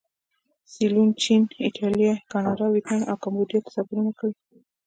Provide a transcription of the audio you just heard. سیلون، چین، ایټالیې، کاناډا، ویتنام او کمبودیا ته سفرونه کړي.